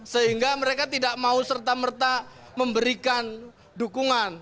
sehingga mereka tidak mau serta merta memberikan dukungan